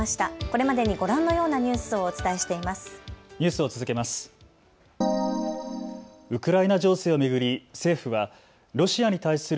これまでにご覧のようなニュースをお伝えしています。